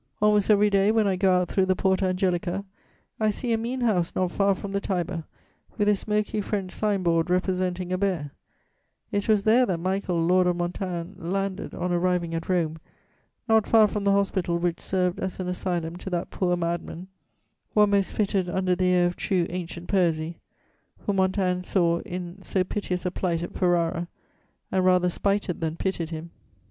_ Almost every day, when I go out through the Porta Angelica, I see a mean house not far from the Tiber with a smoky French sign board representing a bear; it was there that Michael Lord of Montaigne landed on arriving at Rome, not far from the hospital which served as an asylum to that poor madman, "one most fitted under the ayre of true ancient poesie," whom Montaigne saw "in so piteous a plight" at Ferrara, and "rather spited than pitied him."